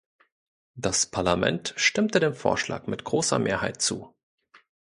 Das Parlament stimmte dem Vorschlag mit grosser Mehrheit zu.